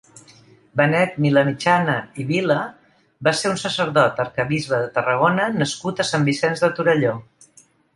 Benet Vilamitjana i Vila va ser un sacerdot, arquebisbe de Tarragona nascut a Sant Vicenç de Torelló.